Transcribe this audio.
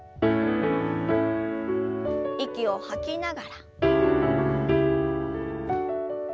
息を吐きながら。